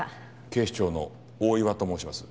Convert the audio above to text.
警視庁の大岩と申します。